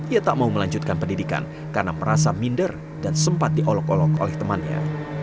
ia tak mau melanjutkan pendidikan karena merasa minder dan sempat diolok olok oleh temannya